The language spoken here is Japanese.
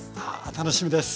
楽しみです。